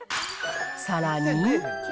さらに。